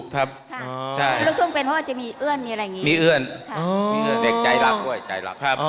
เพราะว่าจะมีเอิ้นอะไรอย่างงี้